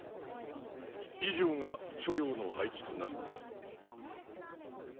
以上が著雍の配置となります。。